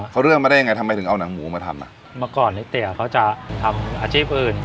เขาเลือกมาได้ยังไงทำไมถึงเอาหนังหมูมาทำอ่ะเมื่อก่อนในเตี๋ยเขาจะทำอาชีพอื่น